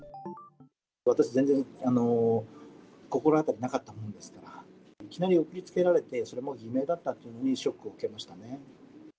私、全然、心当たりなかったものですから、いきなり送りつけられて、それも偽名だったというのにショックを受けましたね。